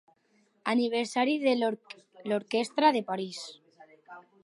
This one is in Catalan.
Aniversari de l'Orquestra de París.